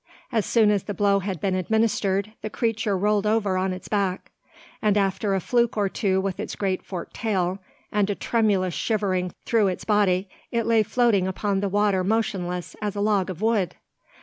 As soon as the blow had been administered, the creature rolled over on its back; and after a fluke or two with its great forked tail, and a tremulous shivering through its body, it lay floating upon the water motionless as a log of wood.